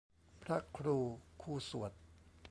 พระครูคู่สวด